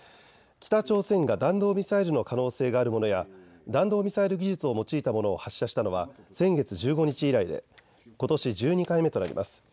北朝鮮が弾道ミサイルの可能性があるものや弾道ミサイル技術を用いたものを発射したのは先月１５日以来でことし１２回目となります。